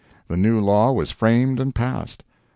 The new law was framed and passed.